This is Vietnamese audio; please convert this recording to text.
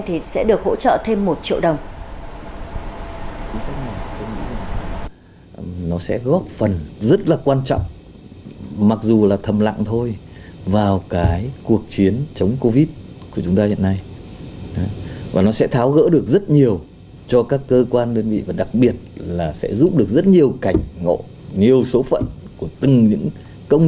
thì sẽ được hỗ trợ thêm một triệu đồng